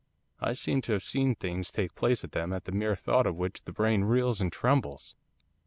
I seem to have seen things take place at them at the mere thought of which the brain reels and trembles.